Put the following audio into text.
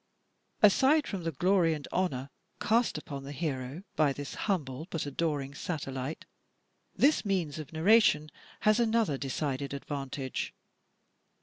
Aside from the glory and honor cast upon the herb by this humble but adoring satellite, this means of narration has another decided advantage.